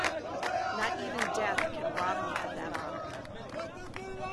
Not even Death can rob me of that honour.